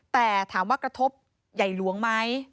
แต่ถามว่ากระทบใหญ่หลวงไหม